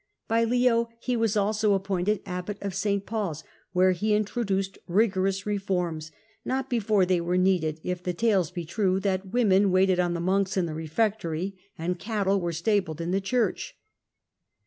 By Leo he was also appointed abbot of St. Paul's, where he introduced rigorous reforms, not before they were needed, if the tales be true that women waited on the monks in the refectory, and cattle were stabled in the church.